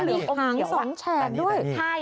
หางสองแฉดด้วย